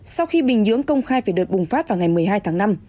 sau khi bình nhưỡng công khai về đợt bùng phát vào ngày một mươi hai tháng năm